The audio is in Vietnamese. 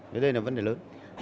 thế đây là vấn đề lớn